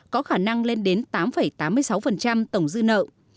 có khả năng lên đến tám tám mươi sáu tổng dư nợ